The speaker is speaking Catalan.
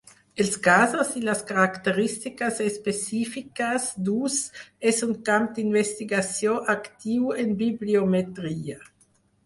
Els casos i les característiques específiques d'ús és un camp d'investigació actiu en bibliometria.